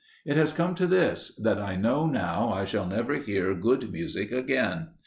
It has come to this, that I know now I shall never hear good music again.